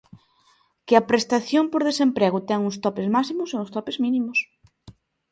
Que a prestación por desemprego ten uns topes máximos e uns topes mínimos.